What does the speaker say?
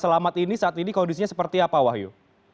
selamat ini saat ini kondisinya seperti apa wahyu